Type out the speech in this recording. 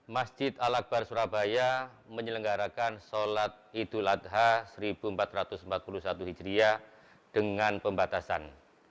masjid al akbar surabaya menyelenggarakan sholat idul adha seribu empat ratus empat puluh satu hijriah dengan pembatasan